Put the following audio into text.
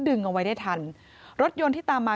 เอาไว้ได้ทันรถยนต์ที่ตามมา